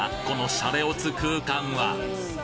このシャレオツ空間は？